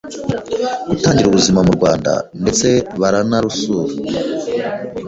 gutangira ubuzima mu Rwanda ndetse baranarusura.